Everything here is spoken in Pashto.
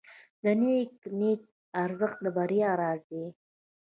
د نیک نیت ارزښت د بریا راز دی.